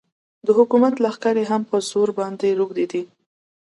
د حکومت لښکرې هم په زرو باندې روږدې دي.